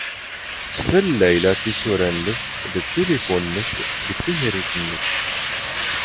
ⵜⴼⵍ ⵍⴰⵢⵍⴰ ⵜⵉⵙⵓⵔⴰ ⵏⵏⵙ ⴷ ⵜⵜⵉⵍⵉⴼⵓⵏ ⵏⵏⵙ ⴳ ⵜⵀⵉⵔⵉⵜ ⵏⵏⵙ.